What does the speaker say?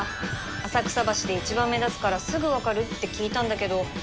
浅草橋で一番目立つからすぐ分かるって聞いたんだけど。